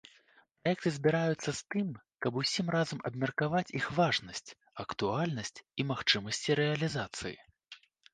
Праекты збіраюцца з тым, каб усім разам абмеркаваць іх важнасць, актуальнасць і магчымасці рэалізацыі.